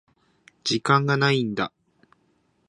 時間がないんだ。